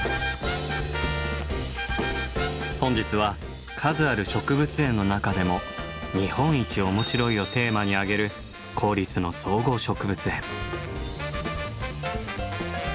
本日は数ある植物園の中でも「日本一おもしろい」をテーマにあげる公立の総合植物園。